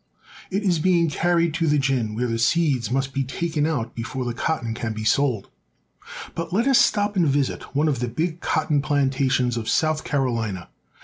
It is being carried to the gin, where the seeds must be taken out before the cotton can be sold. But let us stop and visit one of the big cotton plantations of South Carolina.